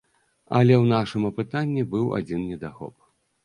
Але ў нашым апытанні быў адзін недахоп.